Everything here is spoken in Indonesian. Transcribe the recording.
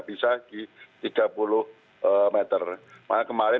bisa di tiga puluh meter